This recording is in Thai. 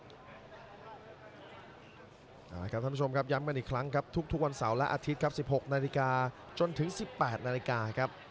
เอาละครับท่านผู้ชมครับย้ำกันอีกครั้งครับทุกวันเสาร์และอาทิตย์ครับ๑๖นาฬิกาจนถึง๑๘นาฬิกาครับ